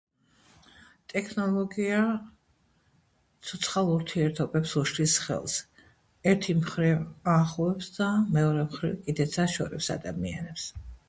ტექნოლოგია ცოცხალ ურთიერთობებს უშლის ხელს, ერთი მხრივ აახლოებს ძაან, მეორე მხრივ კიდეც აშორებს ადამიანებს.